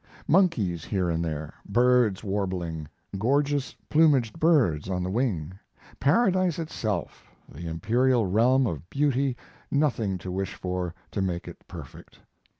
Monkeys here and there; birds warbling; gorgeous plumaged birds on the wing; Paradise itself, the imperial realm of beauty nothing to wish for to make it perfect.